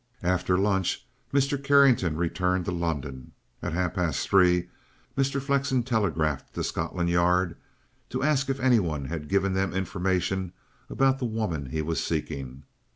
After lunch Mr. Carrington returned to London. At half past three Mr. Flexen telegraphed to Scotland Yard to ask if any one had given them information about the woman he was seeking.